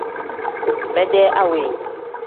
Mede awe.